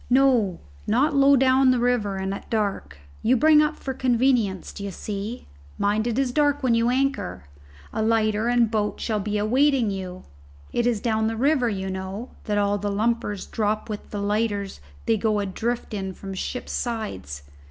"No, not low down the river and at dark. You bring up for convenience, d'ye see. Mind it is dark when you anchor. A lighter and boat shall be awaiting you. It is down the river, you know, that all the lumpers drop with the lighters they go adrift in from ships' sides.